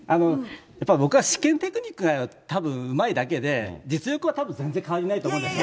僕は試験テクニックがたぶんうまいだけで、実力はたぶん全然変わりないんですよ。